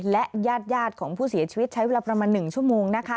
และญาติของผู้เสียชีวิตใช้เวลาประมาณ๑ชั่วโมงนะคะ